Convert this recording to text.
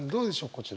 こちら。